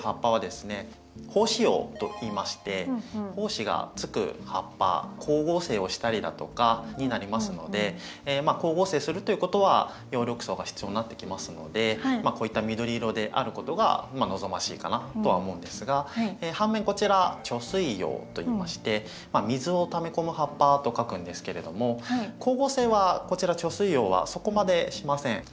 胞子葉といいまして胞子がつく葉っぱ光合成をしたりだとかになりますのでまあ光合成するということは葉緑素が必要になってきますのでこういった緑色であることが望ましいかなとは思うんですが反面こちら貯水葉といいまして「水を貯め込む葉っぱ」と書くんですけれども光合成はこちら貯水葉はそこまでしません。